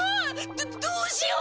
どどうしよう